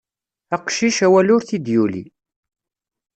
Aqcic, awal ur t-id-yuli.